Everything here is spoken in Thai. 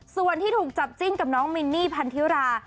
ส่วนที่ถูกจับจิ้นกับน้องมินนี่พันธิรา